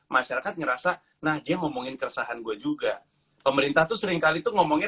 masyarakat ngerasa nah dia ngomongin keresahan gue juga pemerintah tuh seringkali tuh ngomongnya